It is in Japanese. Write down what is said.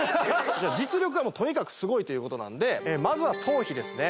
実力がとにかくすごいということなんでまずは頭皮ですね